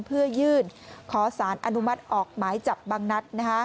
เพื่อยื่นขอสารอนุมัติออกหมายจับบางนัด